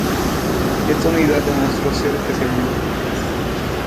Esta unidad demostró ser especialmente eficaz.